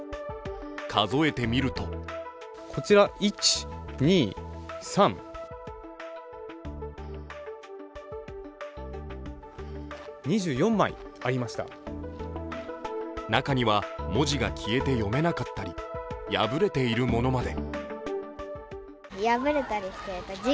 数えてみると中には、文字が消えて読めなかったり破れているものまで。